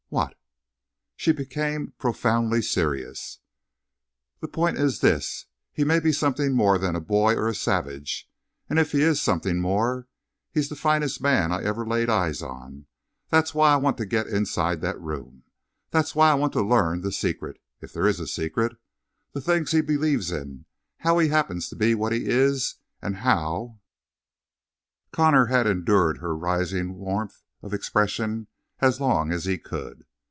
"What?" She became profoundly serious. "The point is this: he may be something more than a boy or a savage. And if he is something more, he's the finest man I've ever laid eyes on. That's why I want to get inside that room. That's why I want to learn the secret if there is a secret the things he believes in, how he happens to be what he is and how " Connor had endured her rising warmth of expression as long as he could.